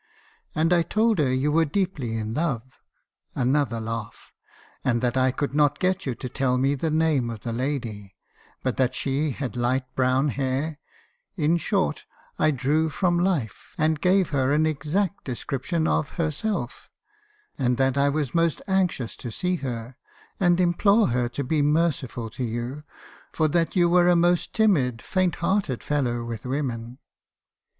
And I told her you were deeply in love,' (another laugh) ; 'and that I could not get you to tell me the name of the lady, but that she had light brown hair, — in short, I drew from life , and gave her an exact description of herself; and that I was most anxious to see her, and implore MS. HARRISONS CONFESSIONS. 273 her to be merciful to you, for that you were a most timid , faint hearted fellow with women.'